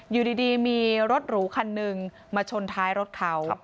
อยู่ดีมีรถหรูคันหนึ่งมาชนท้ายรถเขา